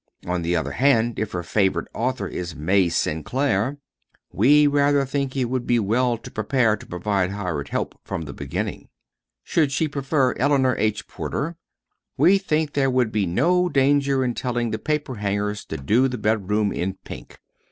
On the other hand, if her favorite author is May Sinclair, we rather think it would be well to be prepared to provide hired help from the beginning. Should she prefer Eleanor H. Porter, we think there would be no danger in telling the paperhangers to do the bedroom in pink.